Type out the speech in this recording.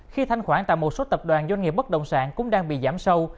khi thanh khoản tại một số tập đoàn doanh nghiệp bất động sản cũng đang bị giảm sâu